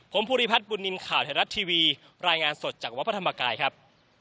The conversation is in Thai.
ผมภูริพัฒน์บุญนินทร์ข่าวไทยรัฐทีวีรายงานสดจากวัดพระธรรมกายครับ